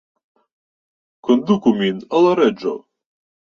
Konduku min al la Reĝo!